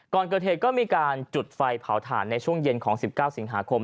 ก่อนเกิดเหตุก็มีการจุดไฟเผาถ่านในช่วงเย็นของ๑๙สิงหาคม